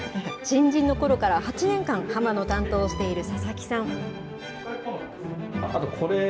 新人のころから８年間、ハマの担当をしている佐々木さん。